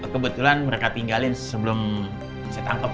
kebetulan mereka tinggalin sebelum saya tangkap